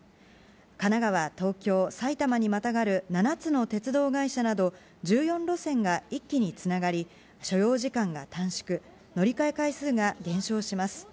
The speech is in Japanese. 神奈川、東京、埼玉にまたがる７つの鉄道会社など、１４路線が一気につながり、所要時間が短縮、乗り換え回数が減少します。